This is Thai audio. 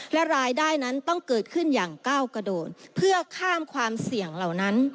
และรายได้นั้นต้องเกิดขึ้นอย่างก้าวกระโดดเพื่อข้ามความเสี่ยงเหล่านั้น